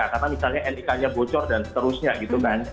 karena misalnya nik nya bocor dan seterusnya gitu kan